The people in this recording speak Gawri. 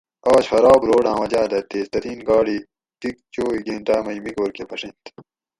آج خراب روڈاۤں وجاۤ دہ تیز ترین گاڑی ٹِک چوئی گۤھنٹاۤ مئی مِگور کہ پھڛینت